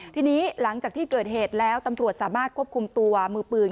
ทีนี้หลังจากที่เกิดเหตุแล้วตำรวจสามารถควบคุมตัวมือปืน